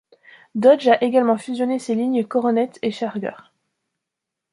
Dodge a également fusionné ses lignes Coronet et Charger.